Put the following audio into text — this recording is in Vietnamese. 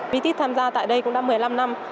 vitis tham gia tại đây cũng đã một mươi năm năm